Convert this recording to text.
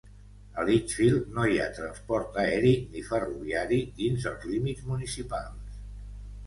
A Litchfield no hi ha transport aeri ni ferroviari dins dels límits municipals.